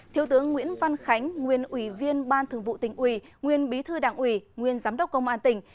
thiếu tướng nguyễn văn khánh nguyên ủy viên ban thường vụ tỉnh ủy nguyên bí thư đảng ủy nguyên giám đốc công an tỉnh